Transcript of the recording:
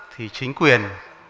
thì chính quyền